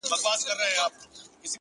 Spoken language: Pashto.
د دغه ټپ د رغېدلو کيسه ختمه نه ده!